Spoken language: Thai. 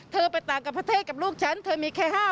ไปต่างกับประเทศกับลูกฉันเธอมีแค่๕๐